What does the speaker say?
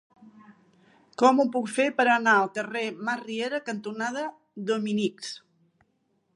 Com ho puc fer per anar al carrer Masriera cantonada Dominics?